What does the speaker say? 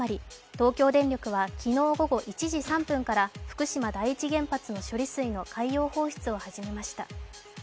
東京電力は昨日午後１時３分から福島第一原発の処理水の海洋放出を始めました